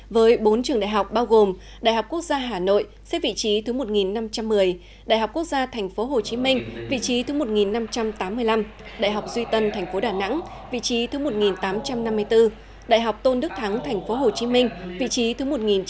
với bốn trường đại học bao gồm đại học quốc gia hà nội xếp vị trí thứ một năm trăm một mươi đại học quốc gia tp hcm vị trí thứ một năm trăm tám mươi năm đại học duy tân thành phố đà nẵng vị trí thứ một tám trăm năm mươi bốn đại học tôn đức thắng tp hcm vị trí thứ một mươi chín